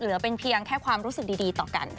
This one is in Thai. เหลือเป็นเพียงแค่ความรู้สึกดีต่อกัน